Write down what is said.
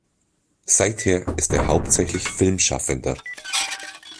Seither ist er hauptsächlich Filmschaffender.